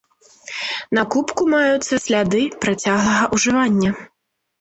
На кубку маюцца сляды працяглага ўжывання.